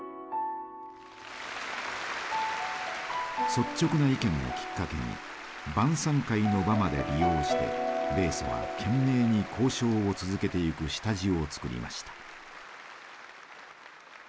率直な意見をきっかけに晩餐会の場まで利用して米ソは懸命に交渉を続けていく下地を作りました。